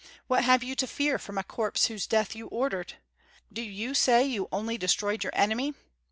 What have you to fear from a corpse whose death you ordered? Do you say you only destroyed your enemy?